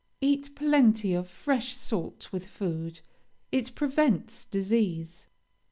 Eat plenty of fresh salt with food; it prevents disease.